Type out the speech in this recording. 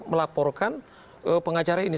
melaporkan pengacara ini